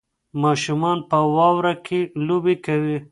ماشومان په واوره کې لوبې کوي.